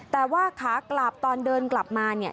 แต่ว่าขากลับตอนเดินกลับมาเนี่ย